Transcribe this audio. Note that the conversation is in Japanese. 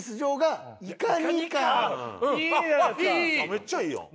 めっちゃいいやん。